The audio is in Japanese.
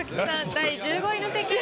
第１５位の席へ。